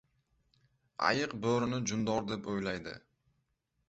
• Ayiq bo‘rini jundor deb o‘ylaydi.